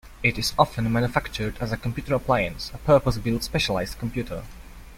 It is often manufactured as a computer appliance - a purpose-built specialized computer.